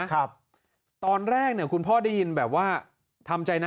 ครับตอนแรกเนี่ยคุณพ่อได้ยินแบบว่าทำใจนะ